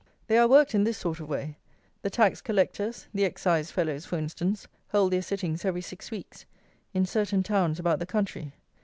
They are worked in this sort of way: the Tax Collectors, the Excise fellows, for instance, hold their sittings every six weeks, in certain towns about the country.